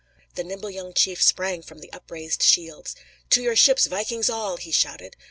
The nimble young chief sprang from the upraised shields. "To your ships, vikings, all!" he shouted.